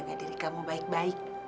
agar diri kamu baik baik